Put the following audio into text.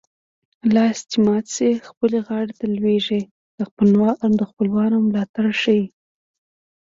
لاس چې مات شي خپلې غاړې ته لوېږي د خپلوانو ملاتړ ښيي